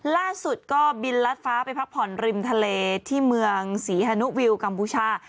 ล่าสุดก็บินลัดฟ้าไปพักผ่อนริมทะเลที่เมืองศรีฮานุวิวกัมพูชา